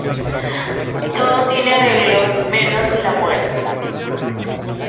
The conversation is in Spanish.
Todo tiene arreglo menos la muerte